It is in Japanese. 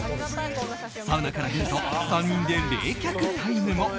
サウナから出ると３人で冷却タイムも。